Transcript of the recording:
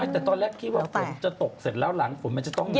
แต่ตอนแรกคิดว่าฝนจะตกเสร็จแล้วหลังฝนมันจะต้อง